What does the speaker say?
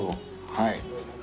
はい。